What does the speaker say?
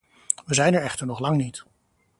We zijn er echter nog lang niet.